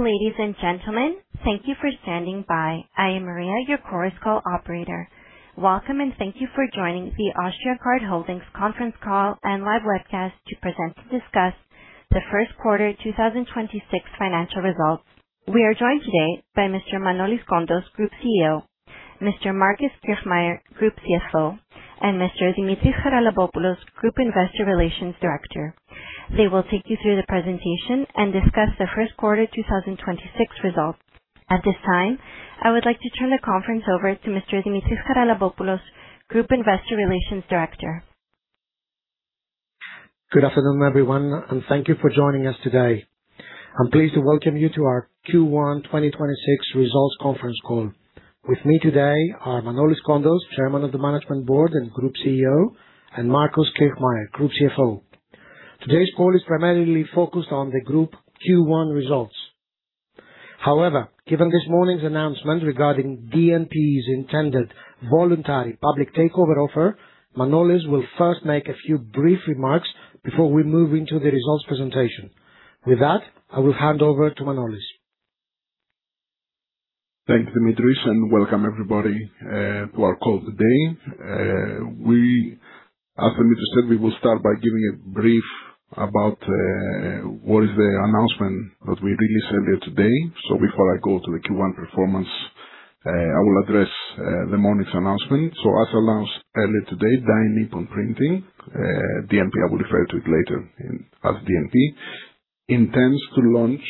Ladies and gentlemen, thank you for standing by. I am Maria, your Chorus Call operator. Welcome, and thank you for joining the Austriacard Holdings conference call and live webcast to present and discuss the first quarter 2026 financial results. We are joined today by Mr. Manolis Kontos, Group CEO, Mr. Markus Kirchmayr, Group CFO, and Mr. Dimitris Haralabopoulos, Group Investor Relations Director. They will take you through the presentation and discuss the first quarter 2026 results. At this time, I would like to turn the conference over to Mr. Dimitris Haralabopoulos, Group Investor Relations Director. Good afternoon, everyone, and thank you for joining us today. I'm pleased to welcome you to our Q1 2026 results conference call. With me today are Manolis Kontos, Chairman of the Management Board and Group CEO, and Markus Kirchmayr, Group CFO. Today's call is primarily focused on the group Q1 results. Given this morning's announcement regarding DNP's intended voluntary public takeover offer, Manolis will first make a few brief remarks before we move into the results presentation. I will hand over to Manolis. Thanks, Dimitris, and welcome everybody, to our call today. As Dimitris said, we will start by giving a brief about what is the announcement that we released earlier today. Before I go to the Q1 performance, I will address this morning's announcement. As announced earlier today, Dai Nippon Printing, DNP, I will refer to it later as DNP, intends to launch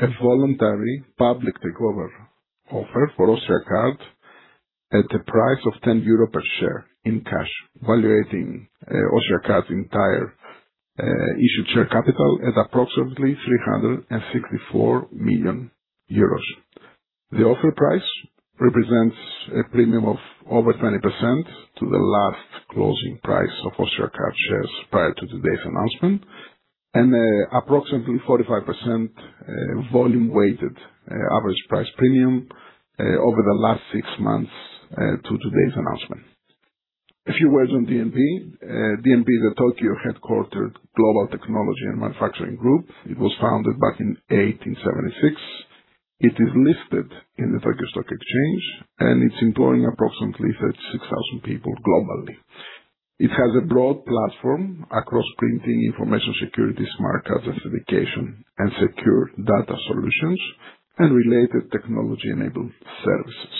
a voluntary public takeover offer for Austriacard at a price of 10 euro per share in cash, valuating Austriacard's entire issued share capital at approximately 364 million euros. The offer price represents a premium of over 20% to the last closing price of Austriacard shares prior to today's announcement, and approximately 45% volume-weighted average price premium over the last six months to today's announcement. A few words on DNP. DNP is a Tokyo-headquartered global technology and manufacturing group. It was founded back in 1876. It is listed in the Tokyo Stock Exchange, and it's employing approximately 36,000 people globally. It has a broad platform across printing, information security, smart card authentication, and secure data solutions, and related technology-enabled services.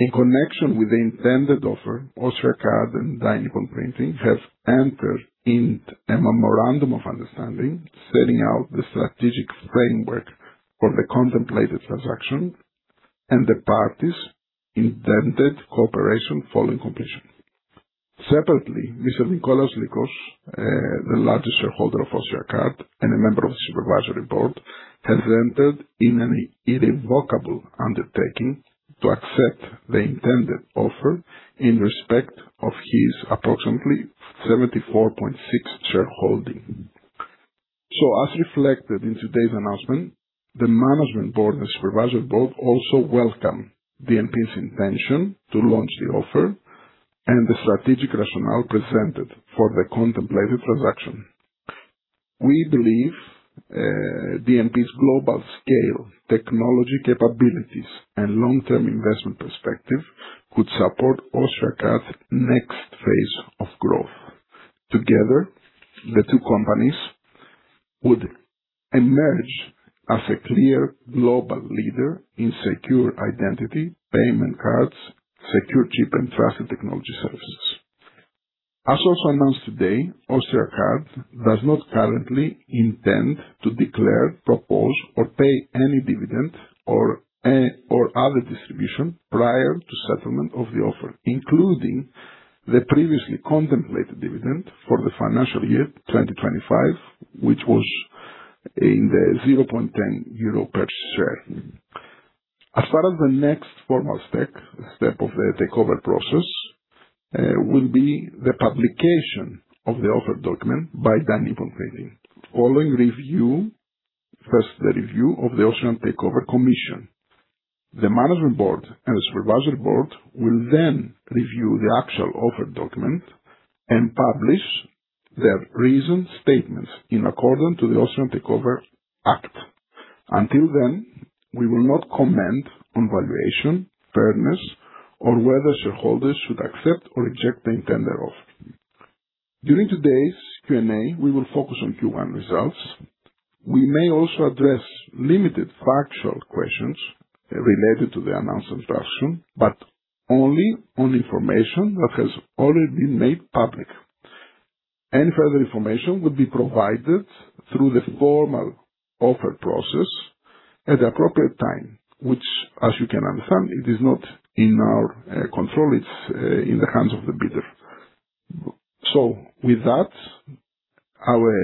In connection with the intended offer, Austriacard and Dai Nippon Printing have entered into a memorandum of understanding, setting out the strategic framework for the contemplated transaction and the parties' intended cooperation following completion. Separately, Mr. Nikolaos Lykos, the largest shareholder of Austriacard and a member of the Supervisory Board, has entered in an irrevocable undertaking to accept the intended offer in respect of his approximately 74.6 shareholding. As reflected in today's announcement, the Management Board and Supervisory Board also welcome DNP's intention to launch the offer and the strategic rationale presented for the contemplated transaction. We believe DNP's global scale, technology capabilities, and long-term investment perspective could support Austriacard's next phase of growth. Together, the two companies would emerge as a clear global leader in secure identity, payment cards, secure chip, and traffic technology services. As also announced today, Austriacard does not currently intend to declare, propose, or pay any dividend or other distribution prior to settlement of the offer, including the previously contemplated dividend for the financial year 2025, which was in the 0.10 euro per share. As part of the next formal step of the takeover process, will be the publication of the offer document by Dai Nippon Printing following first the review of the Austrian Takeover Commission. The Management Board and the Supervisory Board will review the actual offer document and publish their reasoned statements in accordance with the Austrian Takeover Act. Until then, we will not comment on valuation, fairness, or whether shareholders should accept or reject the intended offer. During today's Q&A, we will focus on Q1 results. We may also address limited factual questions related to the announced transaction, but only on information that has already been made public. Any further information will be provided through the formal offer process at the appropriate time, which, as you can understand, it is not in our control, it's in the hands of the bidder. With that,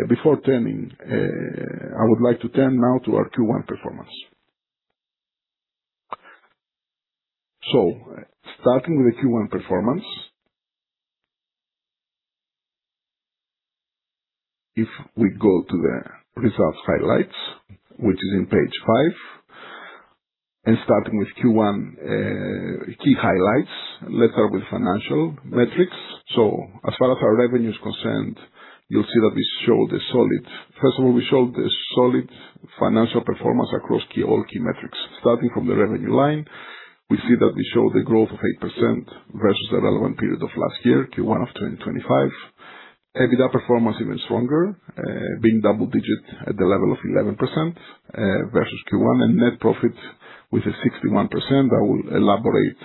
before turning, I would like to turn now to our Q1 performance. Starting with the Q1 performance. If we go to the results highlights, which is on page five. Starting with Q1 key highlights, later with financial metrics. As far as our revenue is concerned, you'll see that first of all, we showed a solid financial performance across all key metrics. Starting from the revenue line, we see that we show the growth of 8% versus the relevant period of last year, Q1 of 2025. EBITDA performance even stronger, being double digit at the level of 11% versus Q1, and net profit with a 61%. I will elaborate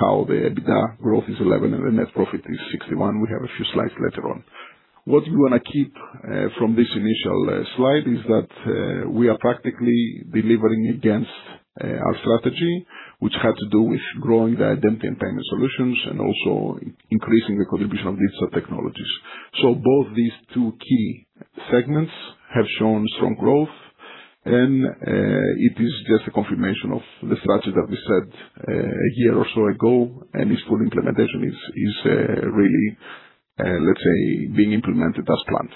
how the EBITDA growth is 11% and the net profit is 61%. We have a few slides later on. What we want to keep from this initial slide is that we are practically delivering against our strategy, which had to do with growing the Identity and Payment Solutions, and also increasing the contribution of Digital Technologies. Both these two key segments have shown strong growth, and it is just a confirmation of the strategy that we set a year or so ago, and its full implementation is really, let's say, being implemented as planned.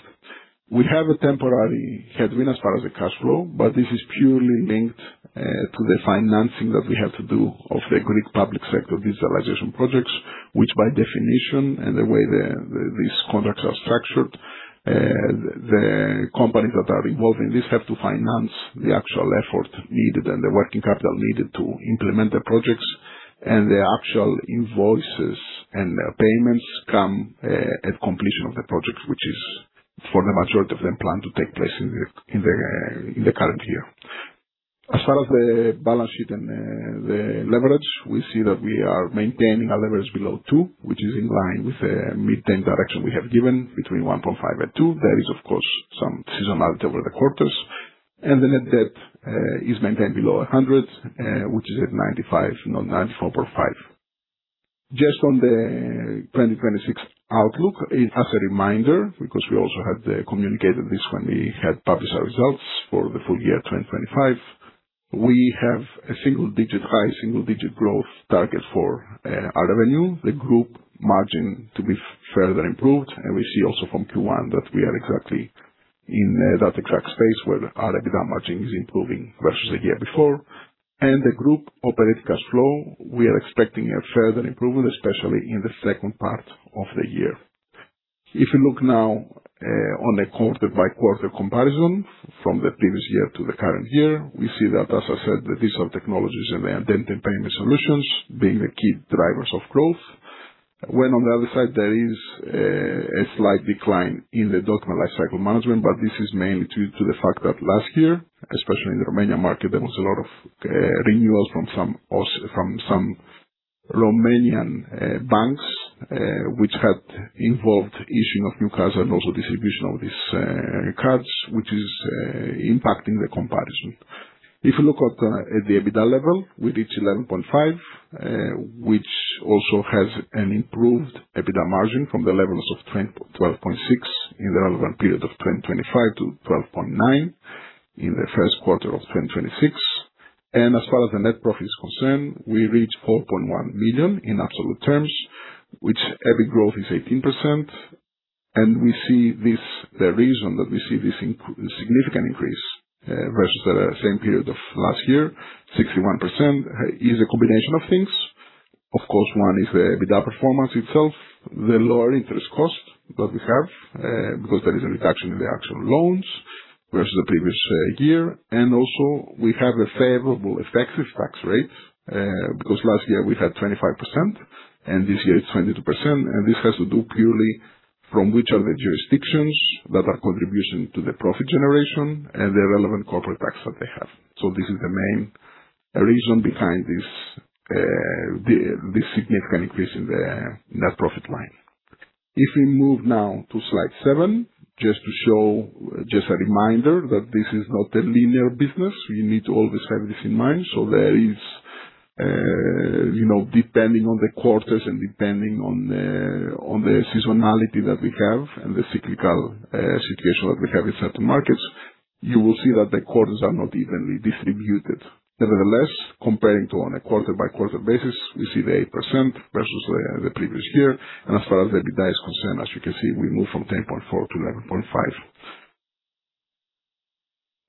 We have a temporary headwind as far as the cash flow. This is purely linked to the financing that we had to do of the Greek public sector digitalization projects, which by definition, and the way these contracts are structured, the companies that are involved in this have to finance the actual effort needed and the working capital needed to implement the projects. The actual invoices and payments come at completion of the projects, which is for the majority of them planned to take place in the current year. As far as the balance sheet and the leverage, we see that we are maintaining our leverage below 2x, which is in line with the mid-term direction we have given between 1.5x and 2x. There is, of course, some seasonality over the quarters. The net debt is maintained below 100, which is at 95, no, 94.5. Just on the 2026 outlook, as a reminder, because we also had communicated this when we had published our results for the full year 2025, we have a single-digit high, single-digit growth target for our revenue. The group margin to be further improved. We see also from Q1 that we are exactly in that exact space where our EBITDA margin is improving versus the year before. The group operating cash flow, we are expecting a further improvement, especially in the second part of the year. If you look now on a quarter-by-quarter comparison from the previous year to the current year, we see that, as I said, the Digital Technologies and the Identity and Payment Solutions being the key drivers of growth. On the other side, there is a slight decline in the document lifecycle management, this is mainly due to the fact that last year, especially in the Romanian market, there was a lot of renewals from some Romanian banks, which had involved issuing of new cards and also distribution of these cards, which is impacting the comparison. If you look at the EBITDA level, we reached 11.5 million, which also has an improved EBITDA margin from the levels of 12.6% in the relevant period of 2025 to 12.9% in the first quarter of 2026. As far as the net profit is concerned, we reached 4.1 million in absolute terms, which EBIT growth is 18%. The reason that we see this significant increase, versus the same period of last year, 61%, is a combination of things. Of course, one is the EBITDA performance itself, the lower interest cost that we have, because there is a reduction in the actual loans versus the previous year. Also we have a favorable effective tax rate, because last year we had 25%, and this year it's 22%. This has to do purely from which are the jurisdictions that are contribution to the profit generation and the relevant corporate tax that they have. This is the main reason behind this significant increase in the net profit line. If we move now to slide 7, just a reminder that this is not a linear business. We need to always have this in mind. There is, depending on the quarters and depending on the seasonality that we have and the cyclical situation that we have in certain markets, you will see that the quarters are not evenly distributed. Comparing on a quarter-by-quarter basis, we see the 8% versus the previous year. As far as the EBITDA is concerned, as you can see, we move from 10.4 to 11.5.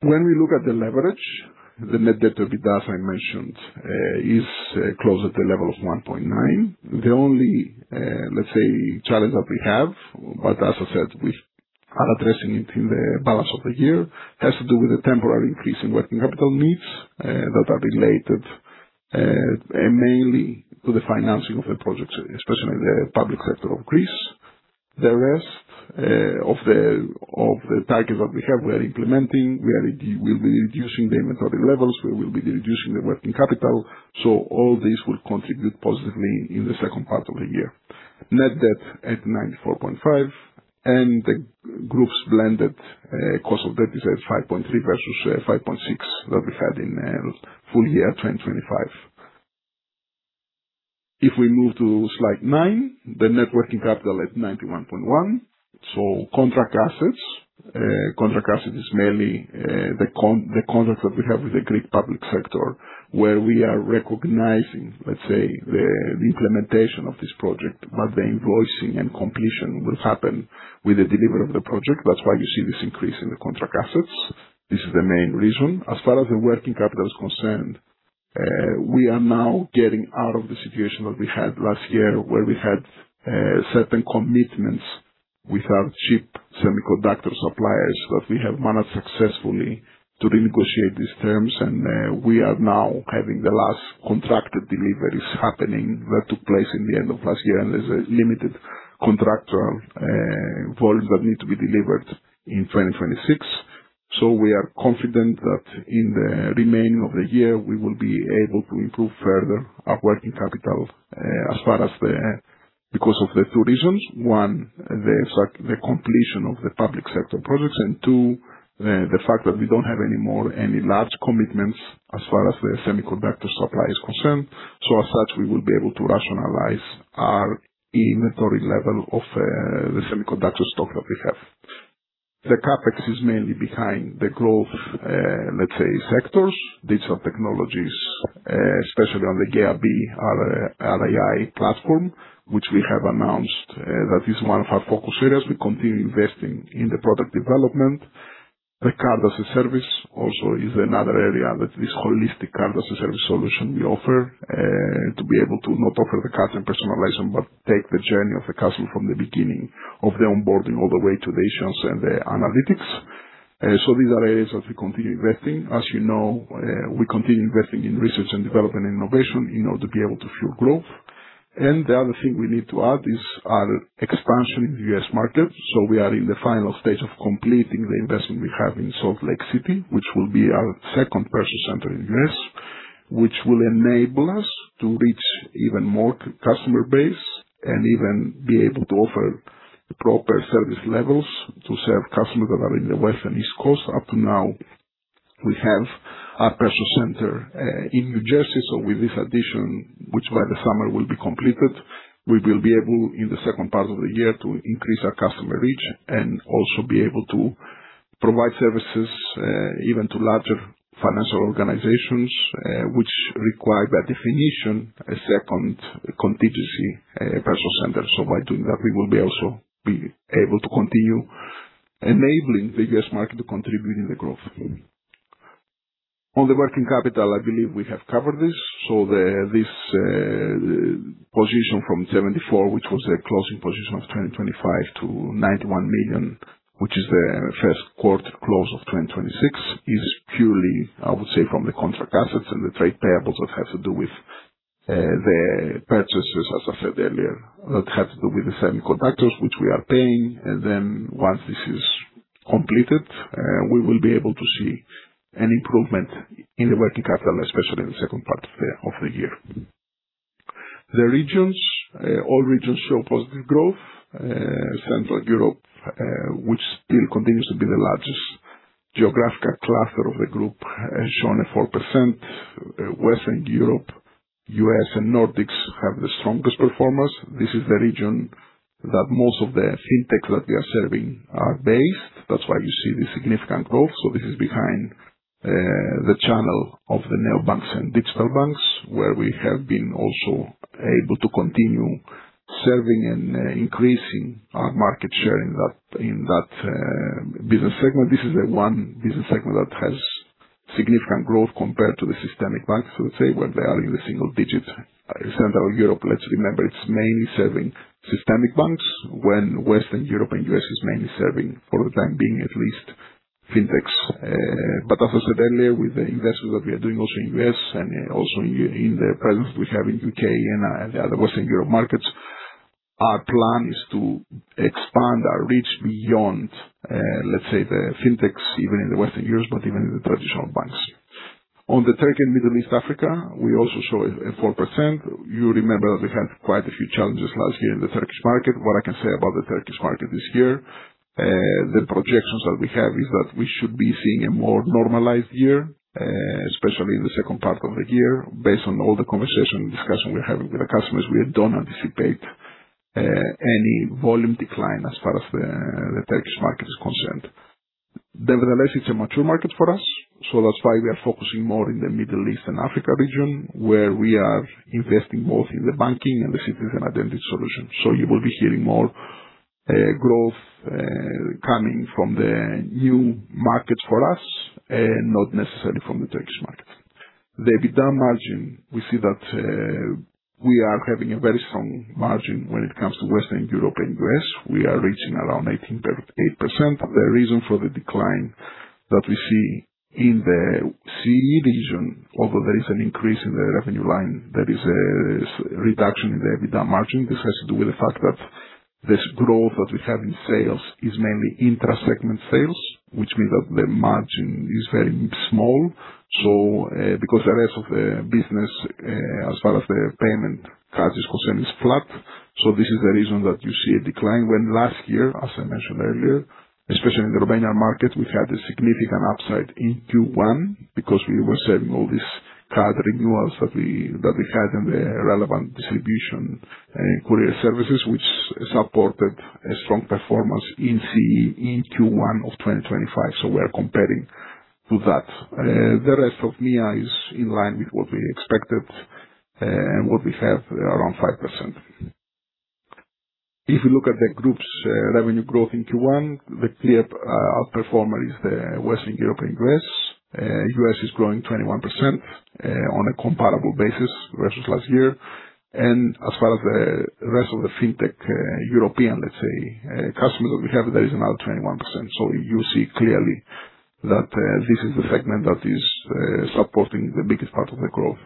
When we look at the leverage, the net debt to EBITDA, as I mentioned, is close at the level of 1.9x. The only, let's say, challenge that we have, as I said, we are addressing it in the balance of the year, has to do with the temporary increase in working capital needs that are related mainly to the financing of the projects, especially in the public sector of Greece. The rest of the targets that we have, we are implementing. We will be reducing the inventory levels. We will be reducing the working capital. All this will contribute positively in the second part of the year. Net debt at 94.5 million, the group's blended cost of debt is at 5.3% versus 5.6% that we had in full year 2025. If we move to slide nine, the net working capital at 91.1 million. Contract assets. Contract asset is mainly the contract that we have with the Greek public sector, where we are recognizing, let's say, the implementation of this project, but the invoicing and completion will happen with the delivery of the project. That's why you see this increase in the contract assets. This is the main reason. As far as the working capital is concerned. We are now getting out of the situation that we had last year, where we had certain commitments with our chip semiconductor suppliers that we have managed successfully to renegotiate these terms, and we are now having the last contracted deliveries happening that took place in the end of last year, and there's a limited contractual volume that need to be delivered in 2026. We are confident that in the remaining of the year, we will be able to improve further our working capital because of the two reasons. One, the completion of the public sector projects, and two, the fact that we don't have any more any large commitments as far as the semiconductor supply is concerned. As such, we will be able to rationalize our inventory level of the semiconductor stock that we have. The CapEx is mainly behind the growth, let's say, sectors, Digital Technologies, especially on the GaiaB an AI platform, which we have announced that is one of our focus areas. We continue investing in the product development. The Card-as-a-Service also is another area that this holistic Card-as-a-Service solution we offer, to be able to not offer the card and personalization, but take the journey of the customer from the beginning of the onboarding all the way to the issues and the analytics. These are areas that we continue investing. As you know, we continue investing in research and development and innovation in order to be able to fuel growth. The other thing we need to add is our expansion in the U.S. market. We are in the final stage of completing the investment we have in Salt Lake City, which will be our second perso center in U.S., which will enable us to reach even more customer base and even be able to offer proper service levels to serve customers that are in the West and East Coast. Up to now, we have our perso center in New Jersey. With this addition, which by the summer will be completed, we will be able, in the second part of the year, to increase our customer reach and also be able to provide services even to larger financial organizations, which require by definition, a second contingency perso center. By doing that, we will also be able to continue enabling the U.S. market to contribute in the growth. On the working capital, I believe we have covered this. This position from 74 million, which was a closing position of 2025 to 91 million, which is the first quarter close of 2026, is purely, I would say, from the contract assets and the trade payables that have to do with the purchases, as I said earlier, that have to do with the semiconductors, which we are paying. Once this is completed, we will be able to see an improvement in the working capital, especially in the second part of the year. All regions show positive growth. Central Europe, which still continues to be the largest geographical cluster of the group, has shown a 4%. Western Europe, U.S. and Nordics have the strongest performance. This is the region that most of the fintechs that we are serving are based. That's why you see the significant growth. This is behind the channel of the neobanks and digital banks, where we have been also able to continue serving and increasing our market share in that business segment. This is the one business segment that has significant growth compared to the systemic banks, let's say, where they are in the single digits. Central Europe, let's remember, it's mainly serving systemic banks when Western Europe and U.S. is mainly serving for the time being, at least, fintechs. As I said earlier, with the investment that we are doing also in U.S. and also in the presence we have in U.K. and the other Western Europe markets, our plan is to expand our reach beyond, let's say, the fintechs, even in the Western U.S., but even in the traditional banks. On the Turkey and Middle East Africa, we also show a 4%. You remember that we had quite a few challenges last year in the Turkish market. What I can say about the Turkish market this year, the projections that we have is that we should be seeing a more normalized year, especially in the second part of the year. Based on all the conversation and discussion we're having with the customers, we don't anticipate any volume decline as far as the Turkish market is concerned. Nevertheless, it's a mature market for us, so that's why we are focusing more in the Middle East and Africa region, where we are investing both in the banking and the citizen identity solution. You will be hearing more growth coming from the new markets for us and not necessarily from the Turkish market. The EBITDA margin, we see that we are having a very strong margin when it comes to Western Europe and U.S. We are reaching around 18.8%. The reason for the decline that we see in the CE region, although there is an increase in the revenue line, there is a reduction in the EBITDA margin. This has to do with the fact that this growth that we have in sales is mainly intra-segment sales, which means that the margin is very small. Because the rest of the business, as far as the payment card is concerned, is flat. This is the reason that you see a decline when last year, as I mentioned earlier, especially in the Romanian market, we had a significant upside in Q1 because we were serving all these card renewals that we had in the relevant distribution courier services, which supported a strong performance in CE in Q1 of 2025. We are comparing to that. The rest of MEA is in line with what we expected and what we have, around 5%. If you look at the group's revenue growth in Q1, the clear outperformer is the Western European West. U.S. is growing 21% on a comparable basis versus last year. As far as the rest of the fintech European, let's say, customers that we have, there is another 21%. You see clearly that this is the segment that is supporting the biggest part of the growth.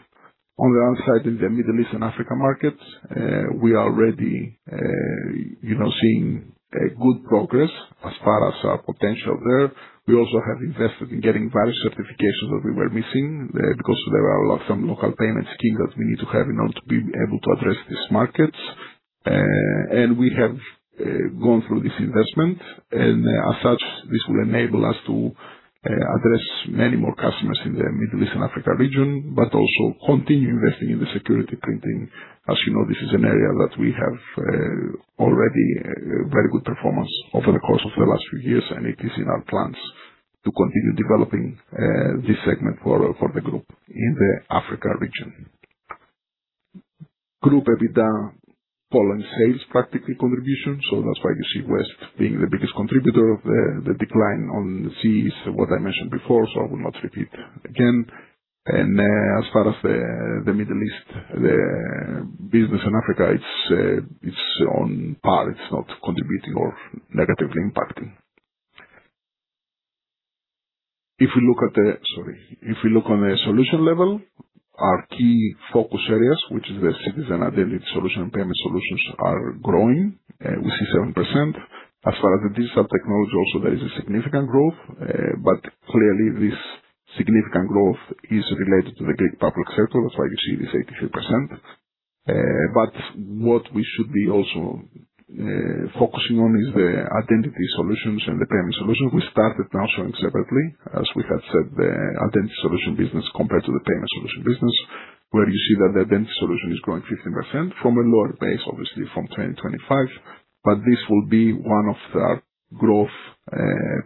On the other side, in the Middle East and Africa markets, we are already seeing a good progress as far as our potential there. We also have invested in getting various certifications that we were missing, because there are some local payment schemes that we need to have in order to be able to address these markets. We have gone through this investment, and as such, this will enable us to address many more customers in the Middle East and Africa region, but also continue investing in the security printing. As you know, this is an area that we have already very good performance over the course of the last few years, and it is in our plans to continue developing this segment for the group in the Africa region. Group EBITDA, Poland sales, practically contribution. That's why you see West being the biggest contributor. The decline on the CE is what I mentioned before, so I will not repeat again. As far as the Middle East, the business in Africa, it's on par. It's not contributing or negatively impacting. Sorry. If we look on the solution level, our key focus areas, which is the citizen identity solution and payment solutions, are growing. We see 7%. As far as the Digital Technologies, also there is a significant growth, clearly this significant growth is related to the Greek public sector. That's why you see this 83%. What we should be also focusing on is the identity solutions and the payment solutions. We started now showing separately, as we have said, the identity solution business compared to the payment solution business, where you see that the identity solution is growing 15% from a lower base, obviously from 2025. This will be one of our growth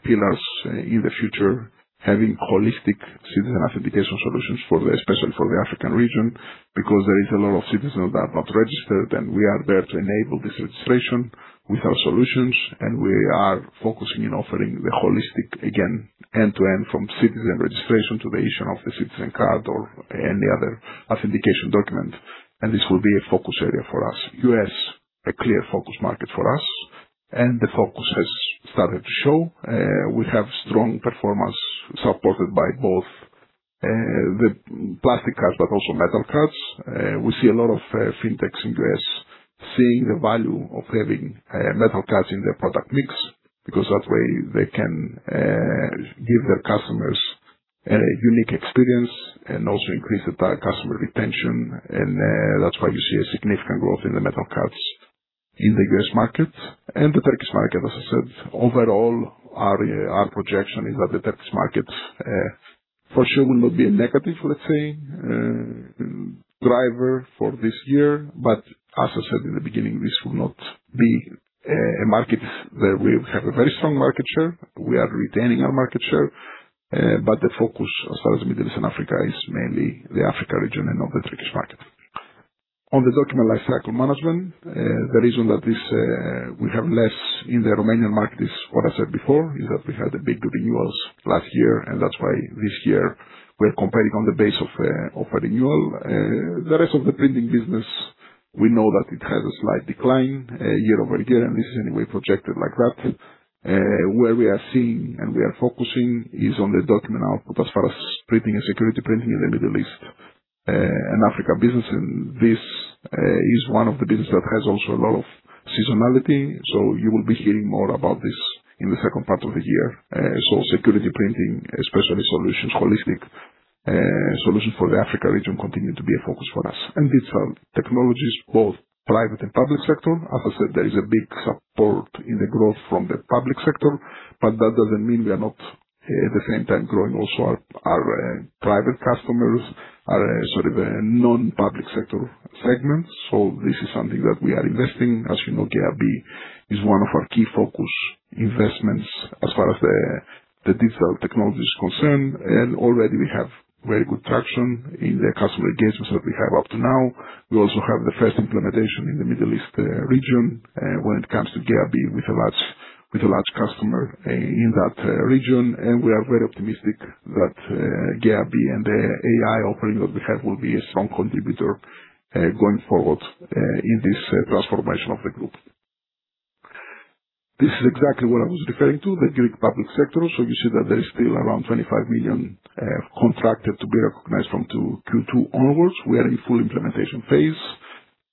pillars in the future, having holistic citizen authentication solutions, especially for the African region, because there is a lot of citizens that are not registered, and we are there to enable this registration with our solutions, and we are focusing on offering the holistic, again, end-to-end from citizen registration to the issue of the citizen card or any other authentication document. This will be a focus area for us. U.S., a clear focus market for us, and the focus has started to show. We have strong performance supported by both the plastic cards, but also metal cards. We see a lot of fintechs in U.S. seeing the value of having metal cards in their product mix, because that way they can give their customers a unique experience and also increase the customer retention. That's why you see a significant growth in the metal cards in the U.S. market and the Turkish market. As I said, overall, our projection is that the Turkish market, for sure will not be a negative, let's say, driver for this year. As I said in the beginning, this will not be a market where we have a very strong market share. We are retaining our market share, but the focus, as far as Middle East and Africa, is mainly the Africa region and not the Turkish market. On the document lifecycle management, the reason that we have less in the Romanian market is what I said before, is that we had the big renewals last year, and that's why this year we're comparing on the base of a renewal. The rest of the printing business, we know that it has a slight decline year-over-year, this is anyway projected like that. Where we are seeing and we are focusing is on the document output as far as printing and security printing in the Middle East and Africa business. This is one of the business that has also a lot of seasonality. You will be hearing more about this in the second part of the year. Security printing, especially solutions, holistic solutions for the Africa region, continue to be a focus for us. Digital Technologies, both private and public sector. As I said, there is a big support in the growth from the public sector, that doesn't mean we are not, at the same time, growing also our private customers, our non-public sector segments. This is something that we are investing. As you know, GRB is one of our key focus investments as far as the Digital Technologies is concerned. Already we have very good traction in the customer engagements that we have up to now. We also have the first implementation in the Middle East region when it comes to GRB with a large customer in that region. We are very optimistic that GRB and the AI offering that we have will be a strong contributor going forward in this transformation of the group. This is exactly what I was referring to, the Greek public sector. You see that there is still around 25 million contracted to be recognized from Q2 onwards. We are in full implementation phase.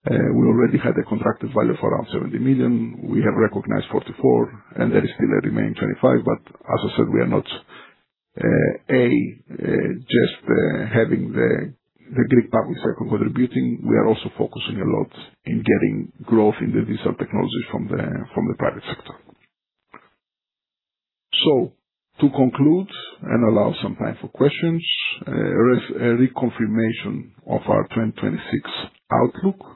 We already had a contracted value for around 70 million. We have recognized 44 million, and there still remain 25 million. As I said, we are not just having the Greek public sector contributing. We are also focusing a lot in getting growth in the digital technology from the private sector. To conclude and allow some time for questions, reconfirmation of our 2026 outlook.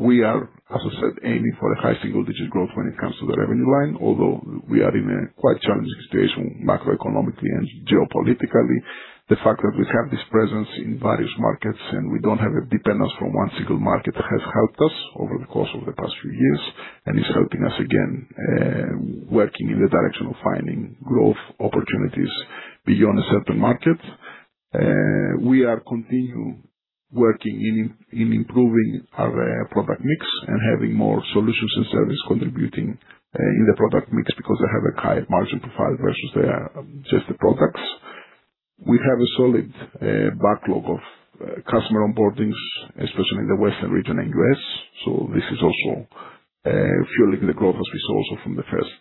We are, as I said, aiming for a high single-digit growth when it comes to the revenue line, although we are in a quite challenging situation macroeconomically and geopolitically. The fact that we have this presence in various markets, and we don't have a dependence from one single market has helped us over the course of the past few years and is helping us again, working in the direction of finding growth opportunities beyond a certain market. We are continue working in improving our product mix and having more solutions and service contributing in the product mix because they have a high margin profile versus just the products. We have a solid backlog of customer onboardings, especially in the Western region and U.S. This is also fueling the growth as we saw from the first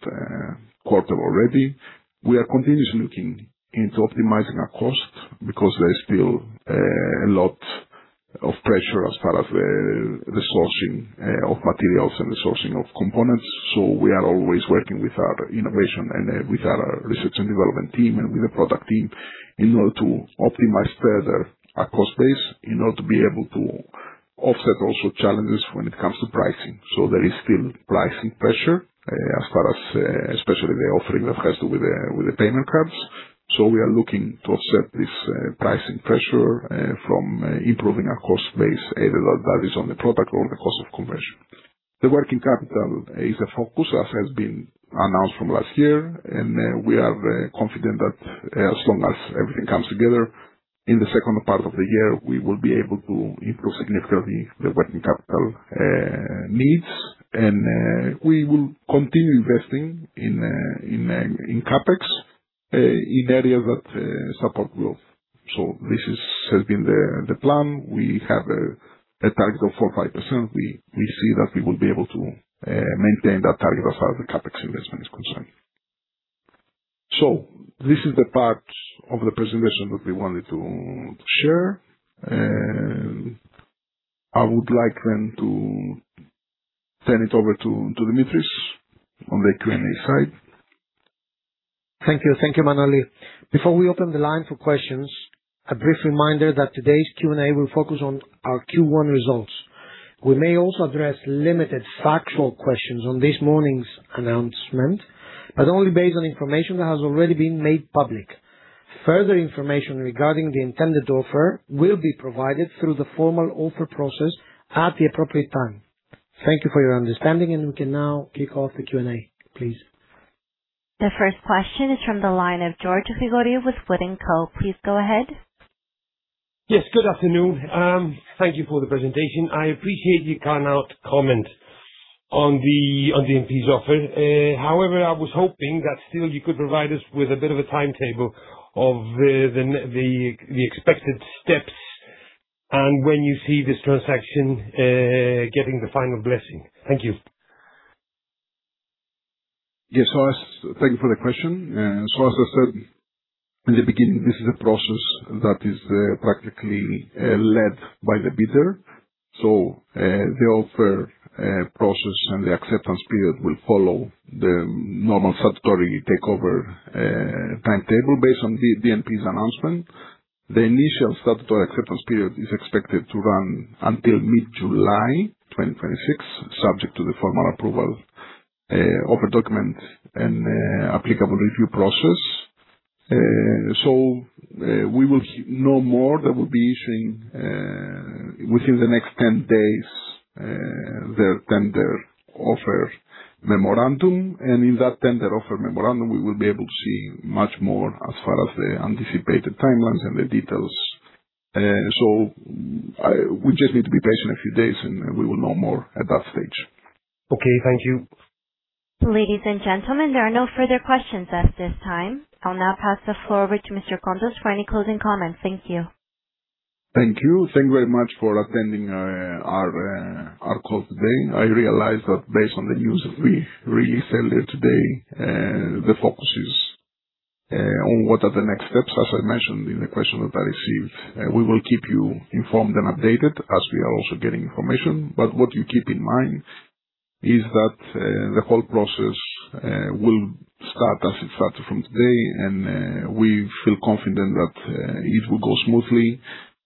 quarter already. We are continuously looking into optimizing our cost because there is still a lot of pressure as far as the sourcing of materials and the sourcing of components. We are always working with our innovation and with our research and development team and with the product team in order to optimize further our cost base in order to be able to offset also challenges when it comes to pricing. There is still pricing pressure as far as, especially the offering that has with the payment cards. We are looking to offset this pricing pressure from improving our cost base, either that is on the product or the cost of conversion. The working capital is a focus, as has been announced from last year, and we are confident that as long as everything comes together in the second part of the year, we will be able to improve significantly the working capital needs. We will continue investing in CapEx in areas that support growth. This has been the plan. We have a target of 4%-5%. We see that we will be able to maintain that target as far as the CapEx investment is concerned. This is the part of the presentation that we wanted to share. I would like then to turn it over to Dimitris on the Q&A side. Thank you. Thank you, Manoli. Before we open the line for questions, a brief reminder that today's Q&A will focus on our Q1 results. We may also address limited factual questions on this morning's announcement, but only based on information that has already been made public. Further information regarding the intended offer will be provided through the formal offer process at the appropriate time. Thank you for your understanding, and we can now kick off the Q&A, please. The first question is from the line of George Grigoriou with WOOD & Company. Please go ahead. Yes, good afternoon. Thank you for the presentation. I appreciate you cannot comment on the DNP's offer. However, I was hoping that still you could provide us with a bit of a timetable of the expected steps and when you see this transaction getting the final blessing. Thank you. Yes. Thank you for the question. As I said in the beginning, this is a process that is practically led by the bidder. The offer process and the acceptance period will follow the normal statutory takeover timetable based on the DNP's announcement. The initial statutory acceptance period is expected to run until mid-July 2026, subject to the formal approval, offer document and applicable review process. We will know more. They will be issuing within the next 10 days, their tender offer memorandum, and in that tender offer memorandum, we will be able to see much more as far as the anticipated timelines and the details. We just need to be patient a few days and we will know more at that stage. Okay. Thank you. Ladies and gentlemen, there are no further questions at this time. I'll now pass the floor over to Mr. Kontos for any closing comments. Thank you. Thank you. Thank you very much for attending our call today. I realize that based on the news we released earlier today, the focus is on what are the next steps, as I mentioned in the question that I received. We will keep you informed and updated as we are also getting information. What you keep in mind is that the whole process will start as it started from today, and we feel confident that it will go smoothly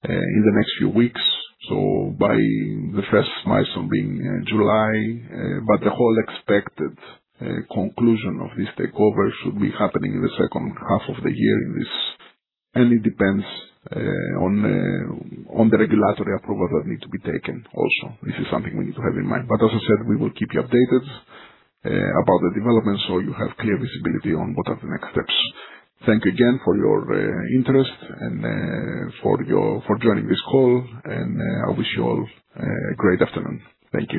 in the next few weeks. By the first milestone being July, the whole expected conclusion of this takeover should be happening in the second half of the year in this. It depends on the regulatory approval that need to be taken also. This is something we need to have in mind. As I said, we will keep you updated about the developments so you have clear visibility on what are the next steps. Thank you again for your interest and for joining this call, and I wish you all a great afternoon. Thank you.